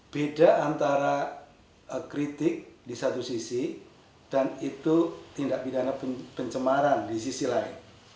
beda antara kritik di satu sisi dan itu tindak pidana pencemaran di sisi lain